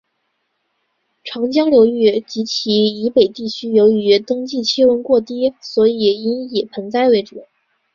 长江流域及其以北地区由于冬季气温过低所以应以盆栽为主。